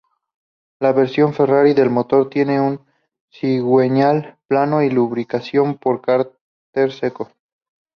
La versión Ferrari del motor tiene un cigüeñal plano y lubricación por cárter seco.